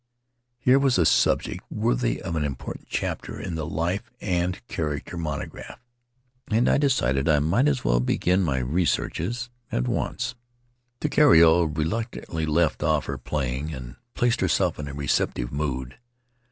Here was a subject worthy of an important chapter in the Life and Charac ter monograph, and I decided that I might as well begin my researches at once. The Starry Threshold Takiero reluctantly left off her playing and placed herself in a receptive mood.